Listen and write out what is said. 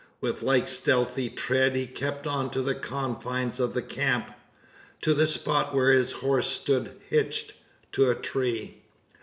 With like stealthy tread he kept on to the confines of the camp to the spot where his horse stood "hitched" to a tree.